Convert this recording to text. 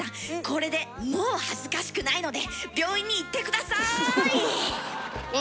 これでもう恥ずかしくないので病院に行って下さい！